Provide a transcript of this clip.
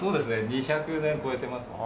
２００年超えてますので。